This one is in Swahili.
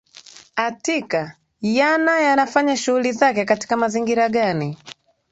atika yana yanafanya shughuli zake katika mazingira gani